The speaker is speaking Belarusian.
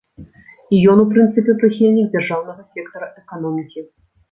І ён у прынцыпе прыхільнік дзяржаўнага сектара эканомікі.